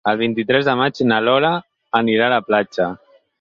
El vint-i-tres de maig na Lola anirà a la platja.